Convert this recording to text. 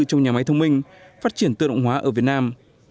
trong nhà máy thông minh phát triển tự động hóa ở việt nam